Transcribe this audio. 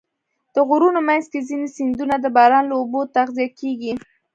د غرونو منځ کې ځینې سیندونه د باران له اوبو تغذیه کېږي.